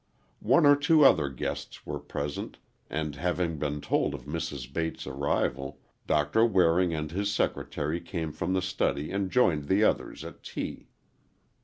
One or two other guests were present and, having been told of Mrs. Bates' arrival Doctor Waring and his secretary came from the study and joined the others at tea.